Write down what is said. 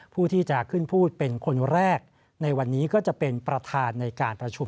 ผู้ที่จะขึ้นพูดเป็นคนแรกในวันนี้ก็จะเป็นประธานในการประชุม